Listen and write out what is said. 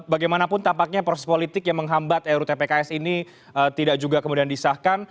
bagaimanapun tampaknya proses politik yang menghambat rutpks ini tidak juga kemudian disahkan